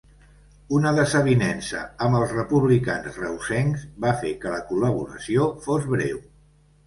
Una desavinença amb els republicans reusencs van fer que la col·laboració fos breu.